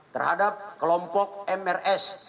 terhadap kelompok mrs